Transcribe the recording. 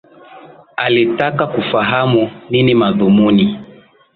alitaka kufahamu nini madhumuni